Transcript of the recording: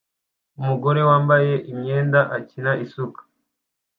Umugore wambaye imyenda akina isuka